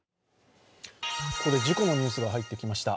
ここで事故のニュースが入ってきました。